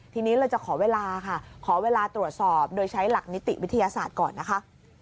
ทีนี้เลยจะขอเวลาค่ะขอเวลาตรวจสอบโดยใช้หลักนิติวิทยาศาสตร์ก่อนนะคะ